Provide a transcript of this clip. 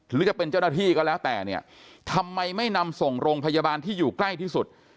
หรือจะเป็นเจ้าหน้าที่ก็แล้วแต่เนี่ยทำไมไม่นำส่งโรงพยาบาลที่อยู่ใกล้ที่สุด